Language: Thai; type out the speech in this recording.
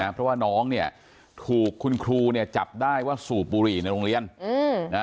เพราะว่าน้องเนี่ยถูกคุณครูเนี่ยจับได้ว่าสูบบุหรี่ในโรงเรียน